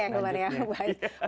di segmen berikutnya ya